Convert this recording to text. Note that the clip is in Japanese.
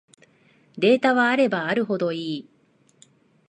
データはあればあるほどいい